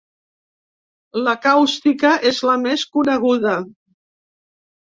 La càustica és la més coneguda.